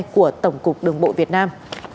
của tổng cục đường bộ việt nam